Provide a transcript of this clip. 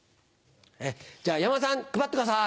じゃあ山田さん配ってください。